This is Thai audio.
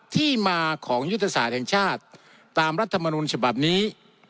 ที่มาของยุทธศาสตร์แห่งชาติตามรัฐมนุนฉบับนี้